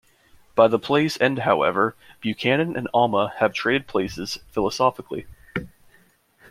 By the play's end, however, Buchanan and Alma have traded places philosophically.